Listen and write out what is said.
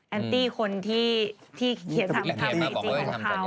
แอนตี้คนที่เขียนสามภาพไอจีกันเขา